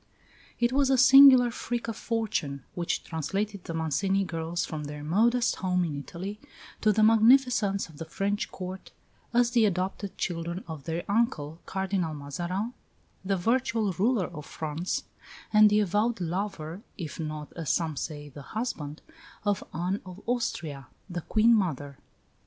It was a singular freak of fortune which translated the Mancini girls from their modest home in Italy to the magnificence of the French Court, as the adopted children of their uncle, Cardinal Mazarin, the virtual ruler of France, and the avowed lover (if not, as some say, the husband) of Anne of Austria, the Queen mother.